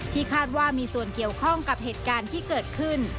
คาดว่ามีส่วนเกี่ยวข้องกับเหตุการณ์ที่เกิดขึ้น